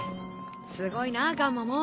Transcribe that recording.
すごいなガンマモン。